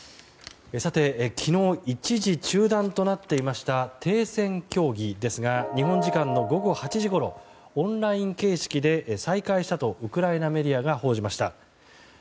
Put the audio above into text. さて、昨日一時中断となっていました停戦協議ですが日本時間の午後８時ごろオンライン形式で再開したとウクライナメディアが報じました。